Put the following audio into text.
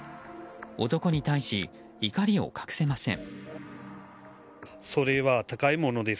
男に対し、怒りを隠せません。